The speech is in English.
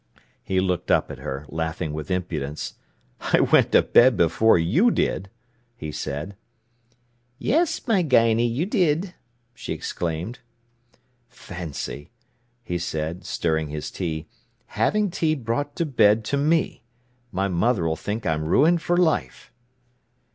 He looked up at her, laughing with impudence. "I went to bed before you did," he said. "Yes, my Guyney, you did!" she exclaimed. "Fancy," he said, stirring his tea, "having tea brought to bed to me! My mother'll think I'm ruined for life."